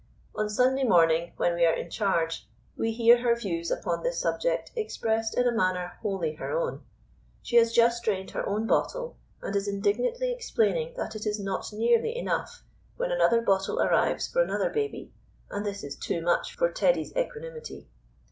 On Sunday morning, when we are in charge, we hear her views upon this subject expressed in a manner wholly her own. She has just drained her own bottle, and is indignantly explaining that it is not nearly enough, when another bottle arrives for another baby, and this is too much for Teddy's equanimity.